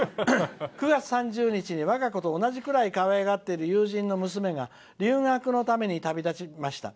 ９月３０日に我が子と同じくらいかわいがっている友人が留学のために旅立ちました。